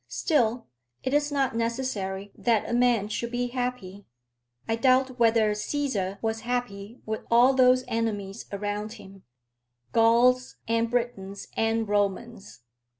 Still, it is not necessary that a man should be happy. I doubt whether Cæsar was happy with all those enemies around him, Gauls, and Britons, and Romans.